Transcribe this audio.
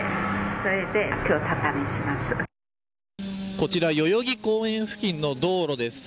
こちら代々木公園付近の道路です。